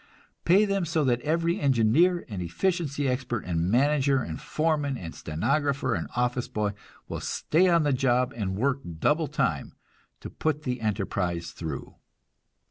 Pay them so that every engineer and efficiency expert and manager and foreman and stenographer and office boy will stay on the job and work double time to put the enterprise through!